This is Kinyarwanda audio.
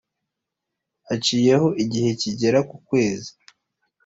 haciyeho igihe kigera ku kwezi,